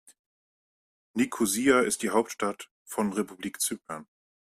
Nikosia ist die Hauptstadt von Republik Zypern.